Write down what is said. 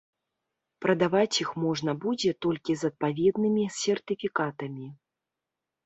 Прадаваць іх можна будзе толькі з адпаведнымі сертыфікатамі.